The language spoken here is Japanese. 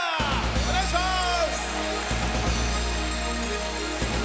お願いします。